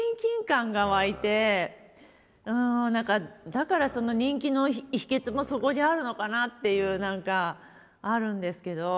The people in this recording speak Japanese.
だから人気の秘けつもそこにあるのかなっていう何かあるんですけど。